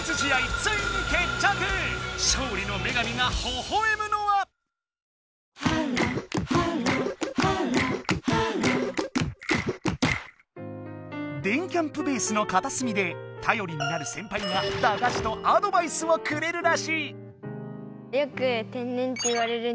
勝利のめがみがほほえむのは⁉電キャんぷベースのかたすみでたよりになるセンパイがだがしとアドバイスをくれるらしい。